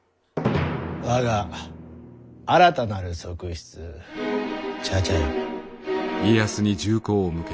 我が新たなる側室茶々よ。